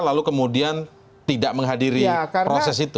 lalu kemudian tidak menghadiri proses itu